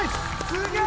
すげえ！